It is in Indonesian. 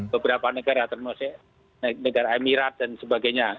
beberapa negara termasuk negara emirat dan sebagainya